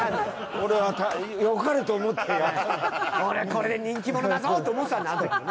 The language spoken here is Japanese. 俺はこれで人気者だぞと思ってたんだよね